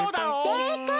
せいかい！